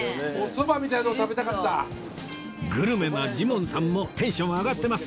グルメなジモンさんもテンション上がってます